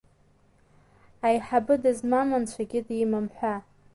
Аиҳабы дызмам Анцәагьы димам ҳәа.